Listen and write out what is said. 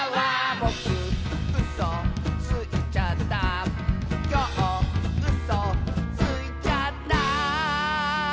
「ぼくうそついちゃった」「きょううそついちゃった」